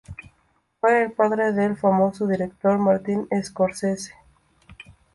Fue el padre del famoso director Martin Scorsese.